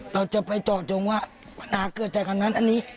เราจะไปจอกจงว่าน้าเกิดใจคำนั้นอันนี้